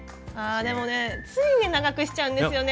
でもねつい長くしちゃうんですよね。